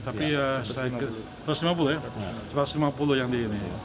tapi ya satu ratus lima puluh ya satu ratus lima puluh yang di ini